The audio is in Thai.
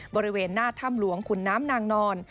บริเวณหน้าถ้ำหลวงขุนน้ำนางนอน